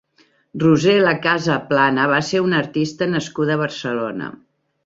Roser Lacasa Plana va ser una artista nascuda a Barcelona.